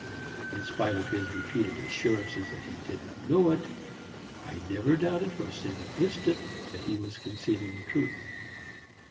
In spite of his repeated assurances that he did not know it, I never doubted for a single instant that he was concealing the truth.